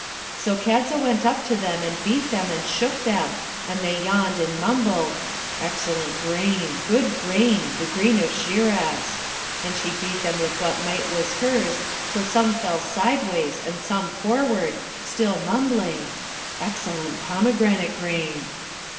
So Kadza went up to them, and beat them, and shook them, and they yawned and mumbled, 'Excellent grain! good grain! the grain of Shiraz!' And she beat them with what might was hers, till some fell sideways and some forward, still mumbling, 'Excellent pomegranate grain!'